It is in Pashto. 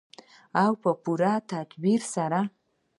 او په پوره تدبیر سره.